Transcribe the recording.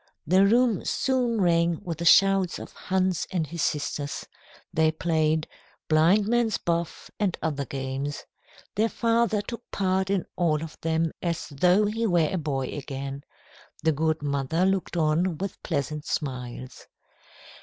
The room soon rang with the shouts of Hans and his sisters. They played "Blind Man's Buff" and other games. Their father took part in all of them as though he were a boy again. The good mother looked on with pleasant smiles.